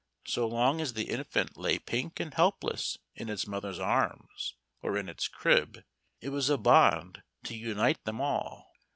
So long as the infant lay pink and helpless in its mother's arms or in its crib, it was a bond to unite them all.